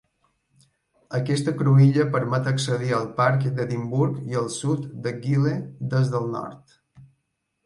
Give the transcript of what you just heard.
Aquesta cruïlla permet accedir al parc d'Edimburg i al sud de Gyle des del nord.